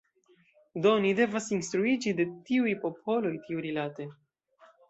Do, ni devas instruiĝi de tiuj popoloj tiurilate.